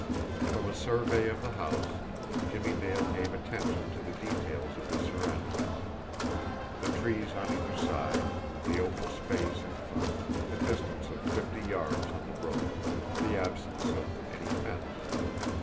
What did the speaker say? From a survey of the house, Jimmie Dale gave attention to the details of his surroundings: the trees on either side; the open space in front, a distance of fifty yards to the road; the absence of any fence.